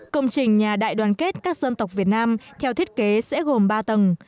công trình nhà đại đoàn kết các dân tộc việt nam theo thiết kế sẽ gồm ba tầng